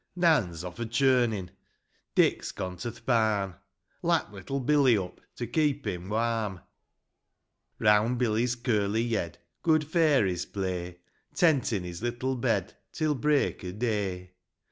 IV. Nan's off a churnin' Dick's gone to th' barn ; Lap little Billy up, To keep him warm. Round Billy's curly yed, Good fairies play ; Tentin' his little bed, Till break o' day.